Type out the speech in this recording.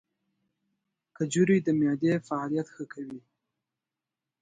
کجورې د معدې فعالیت ښه کوي.